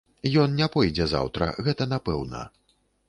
Ён не пойдзе заўтра, гэта напэўна.